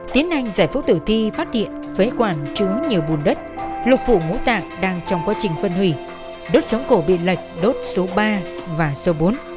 tiến anh giải phúc tử thi phát hiện phế quản chứa nhiều bùn đất lục vụ ngũ tạc đang trong quá trình phân hủy đốt sống cổ bị lệch đốt số ba và số bốn